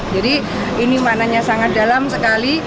jadi ini mananya sangat dalam sekali